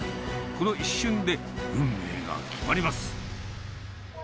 この一瞬で、運命が決まります。